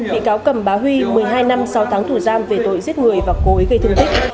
bị cáo cầm bá huy một mươi hai năm sáu tháng tù giam về tội giết người và cố ý gây thương tích